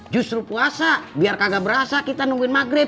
justru puasa biar kagak berasa kita nungguin maghrib